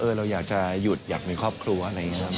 เราอยากจะหยุดอยากมีครอบครัวอะไรอย่างนี้ครับ